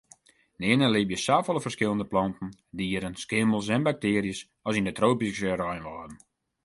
Nearne libje safolle ferskillende planten, dieren, skimmels en baktearjes as yn de tropyske reinwâlden.